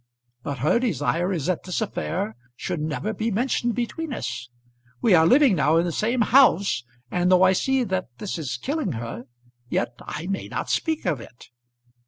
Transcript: But her desire is that this affair should never be mentioned between us. We are living now in the same house, and though I see that this is killing her yet I may not speak of it."